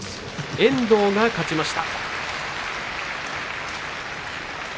遠藤が勝ちました。